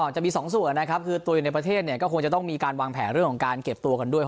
จะมี๒ส่วนตัวอยู่ในประเทศก็คงจะต้องมีการวางแผลเรื่องของการเก็บตัวกันด้วย